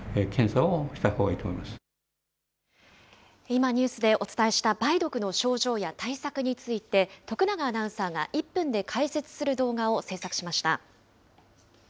今ニュースでお伝えした、梅毒の症状や対策について、徳永アナウンサーが１分で解説する動画を制作しました。